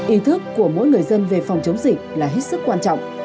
ý thức của mỗi người dân về phòng chống dịch là hết sức quan trọng